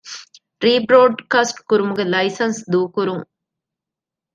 ރީބްރޯޑްކާސްޓް ކުރުމުގެ ލައިސަންސް ދޫކުރުން